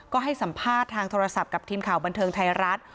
ก็ให้สัมภาษณ์ทางโทรศัพท์กับทีมข่าวบันเทิงไทยรัฐ